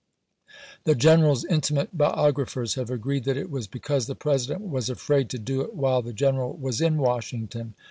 The gen eral's intimate biographers have agreed that it was because the President was afraid to do it while the general was in Washington.